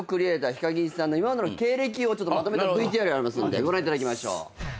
ＨＩＫＡＫＩＮさんの今までの経歴をまとめたＶＴＲがありますんでご覧いただきましょう。